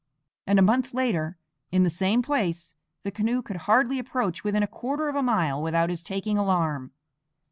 A month later, in the same place, the canoe could hardly approach within a quarter of a mile without his taking alarm.